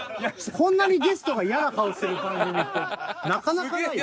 こんなにゲストがイヤな顔する番組ってなかなかないよ。